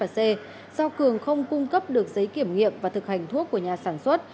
do cường không cung cấp được giấy kiểm nghiệm và thực hành thuốc của nhà sản xuất